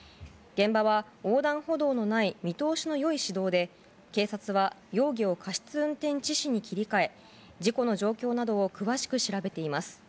現場は横断歩道のない見通しの良い市道で警察は、容疑を過失運転致死に切り替え事故の状況などを詳しく調べています。